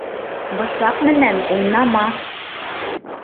Бысаҡ менән уйнама.